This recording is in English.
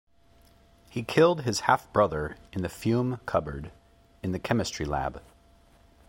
He killed his half-brother in the fume cupboard in the chemistry lab.